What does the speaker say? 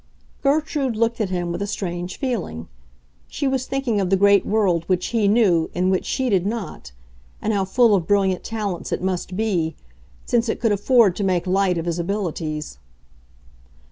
Gertrude looked at him with a strange feeling. She was thinking of the great world which he knew and which she did not, and how full of brilliant talents it must be, since it could afford to make light of his abilities.